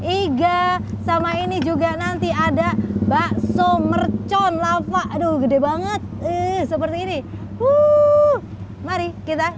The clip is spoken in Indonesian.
iga sama ini juga nanti ada bakso mercon lava aduh gede banget seperti ini mari kita